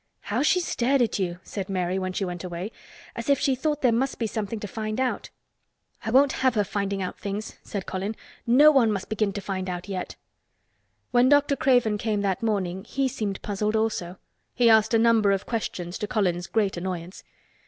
"How she stared at you!" said Mary when she went away. "As if she thought there must be something to find out." "I won't have her finding out things," said Colin. "No one must begin to find out yet." When Dr. Craven came that morning he seemed puzzled, also. He asked a number of questions, to Colin's great annoyance.